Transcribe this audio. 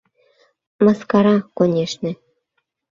Мыскара, конешне.